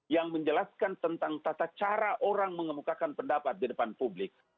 yang menjelaskan tentang tata cara orang mengemukakan pendapat di depan publik